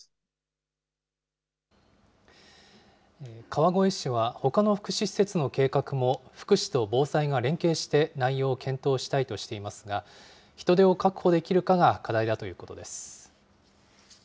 川越市はほかの福祉施設の計画も、福祉と防災が連携して内容を検討したいとしていますが、人手を確保できるかが課題だということです。